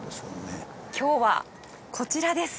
今日はこちらです！